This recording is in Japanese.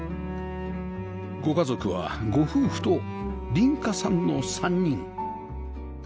ご家族はご夫婦と凛花さんの３人